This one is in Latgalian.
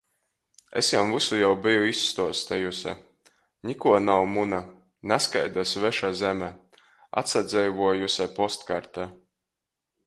Es jam vysu jau beju izstuostejuse. Nikuo nav muna. Nazkaida sveša zeme. Atsadzeivuojuse postkarte.